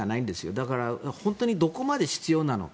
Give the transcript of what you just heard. だから、本当にどこまで必要なのか。